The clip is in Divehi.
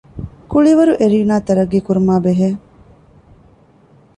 ކުޅިވަރު އެރީނާ ތަރައްޤީކުރުމާ ބެހޭ